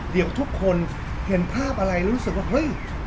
เดี๋ยวทุกคนเห็นภาพอะไรรู้สึกว่าเฮ้ย